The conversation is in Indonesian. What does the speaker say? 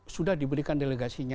sudah diberikan delegasinya